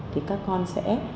thì các con sẽ